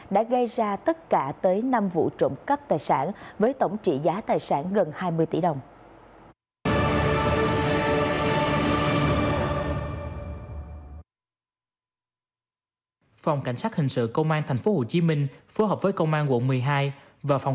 đã gây ra tất cả tới năm vụ trộm cắp tài sản với tổng trị giá tài sản gần hai mươi tỷ đồng